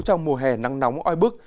trong mùa hè nắng nóng oi bức